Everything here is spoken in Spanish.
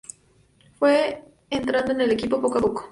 Fue entrando en el equipo poco a poco.